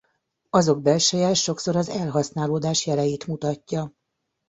Azok belseje sokszor az elhasználódás jeleit mutatja.